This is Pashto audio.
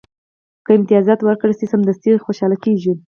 که امتیاز ورکړل شي، سمدستي خوشاله کېږي.